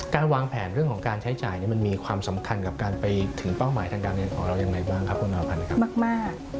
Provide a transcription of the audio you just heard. การวางแผนเรื่องของการใช้จ่ายมันมีความสำคัญกับการไปถึงเป้าหมายทางการเงินของเรายังไงบ้างครับคุณนาพันธ์ครับมาก